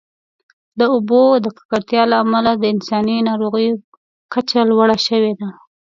د اوبو د ککړتیا له امله د انساني ناروغیو کچه لوړه شوې ده.